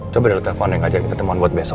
coba deh lo teleponin aja ketemuan buat besok